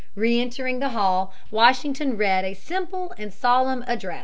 Reëntering the hall Washington read a simple and solemn address.